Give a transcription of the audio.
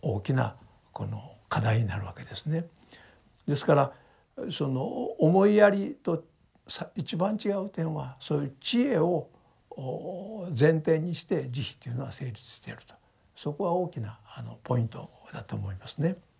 ですからその思いやりと一番違う点はそういう智慧を前提にして慈悲というのが成立しているとそこが大きなポイントだと思いますね。